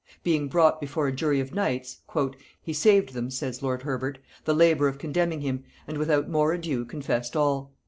Being brought before a jury of knights, "he saved them," says lord Herbert, "the labour of condemning him, and without more ado confessed all.